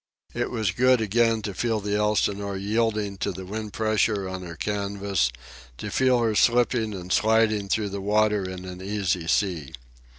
It was good again to feel the Elsinore yielding to the wind pressure on her canvas, to feel her again slipping and sliding through the water in an easy sea.